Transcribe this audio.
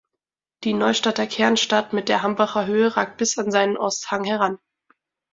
Die Neustadter Kernstadt mit der Hambacher Höhe ragt bis an seinen Osthang heran.